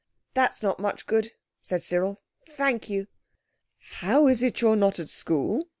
"That's not much good," said Cyril, "thank you." "How is it you're not at school?"